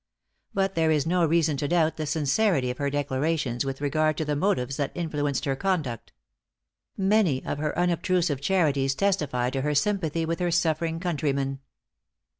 But there is no reason to doubt the sincerity of her declarations with regard to the motives that influenced her conduct. Many of her unobtrusive charities testify to her sympathy with her suffering countrymen.